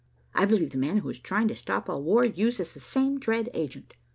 I believe the man who is trying to stop all war uses the same dread agent.